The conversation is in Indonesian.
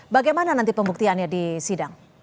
bagaimana nanti pembuktiannya di sidang